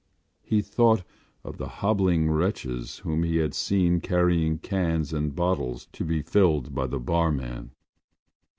He thought of the hobbling wretches whom he had seen carrying cans and bottles to be filled by the barman.